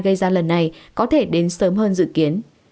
gây ra lần này có thể đến sớm hơn dự kiến